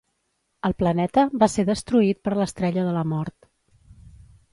El planeta va ser destruït per l'Estrella de la Mort.